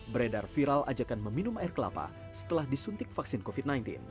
beredar viral ajakan meminum air kelapa setelah disuntik vaksin covid sembilan belas